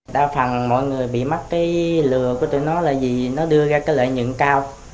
đa phần mọi người bị mắc cái lừa của tụi nó là vì nó đưa ra cái lợi nhuận cao